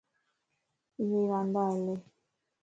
اھي وندا ھلي